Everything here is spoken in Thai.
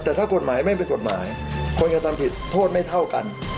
แต่ถ้ากฎหมายไม่เป็นกฎหมายคนกระทำผิดโทษไม่เท่ากัน